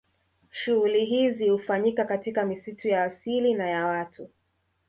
Shughuli hizi hufanyika katika misitu ya asili na ya watu